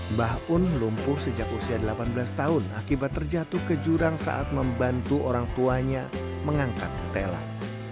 mbah un lumpuh sejak usia delapan belas tahun akibat terjatuh ke jurang saat membantu orang tuanya mengangkat telan